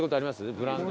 ブランド。